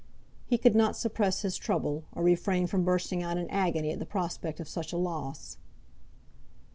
He could not suppress his trouble, or refrain from bursting out in agony at the prospect of such a loss.